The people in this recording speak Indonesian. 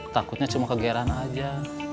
takutnya cuma kegeran aja